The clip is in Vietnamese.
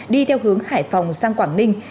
đi theo hướng hải phòng sang quảng ninh